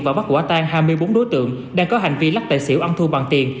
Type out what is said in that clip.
và bắt quả tang hai mươi bốn đối tượng đang có hành vi lắc tài xỉu âm thu bằng tiền